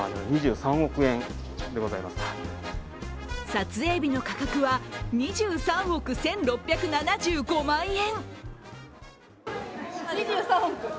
撮影日の価格は２３億１６７５万円。